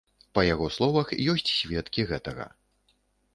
Па яго словах, ёсць сведкі гэтага.